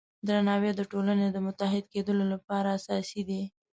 درناوی د ټولنې د متحد کیدو لپاره اساسي دی.